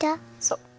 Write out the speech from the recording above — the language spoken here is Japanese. そう。